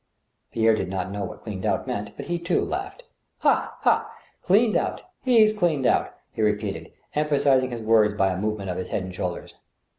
Pierre did not know what " cleaned out " meant, but he, too, laughed. " Ha ! ha ! cleaned out ! He's cleaned out I " he repeated, em phasizing his words by a movement of his head and shoulders.